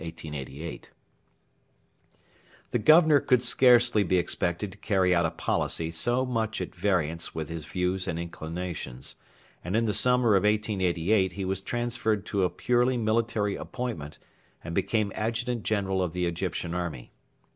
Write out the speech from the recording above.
] The Governor could scarcely be expected to carry out a policy so much at variance with his views and inclinations, and in the summer of 1888 he was transferred to a purely military appointment and became Adjutant General of the Egyptian army.